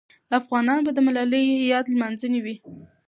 افغانان به د ملالۍ یاد لمانځلې وي.